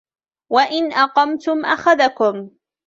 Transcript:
وَإِنْ أَقَمْتُمْ أَخَذَكُمْ